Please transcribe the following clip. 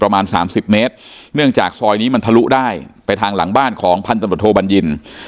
ประมาณสามสิบเมตรเนื่องจากซอยนี้มันทะลุได้ไปทางหลังบ้านของพันตำรวจโทบัญญิน